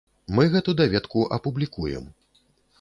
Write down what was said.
Мы гэту даведку апублікуем.